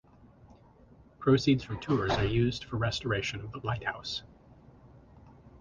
Proceeds from tours are used for restoration of the lighthouse.